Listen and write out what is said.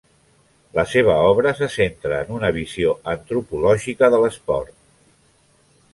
La seva obra se centra en una visió antropològica de l'esport.